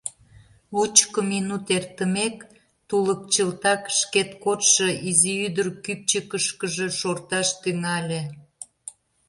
Лучко минут эртымек, тулык, чылтак шкет кодшо изи ӱдыр кӱпчыкышкыжӧ шорташ тӱҥале: